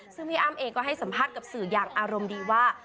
ซึ่งพี่อ้ำเองก็ให้สัมภาษณ์กับสื่ออย่างอารมณ์ดีว่า